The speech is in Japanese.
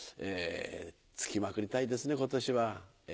ツキまくりたいですね今年は。